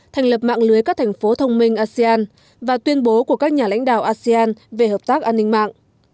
thành lập mạng lưới các thành phố thông minh asean và tuyên bố của các nhà lãnh đạo asean về hợp tác an ninh mạng